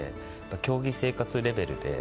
競技生活レベルで。